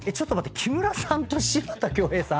木村さんと柴田恭兵さん？